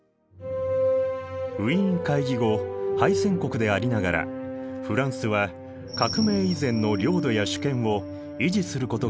ウィーン会議後敗戦国でありながらフランスは革命以前の領土や主権を維持することができた。